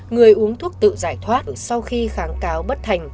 người uống thuốc tự giải thoát sau khi kháng cáo bất thành